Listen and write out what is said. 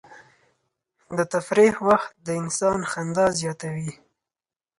د تفریح وخت د انسان خندا زیاتوي.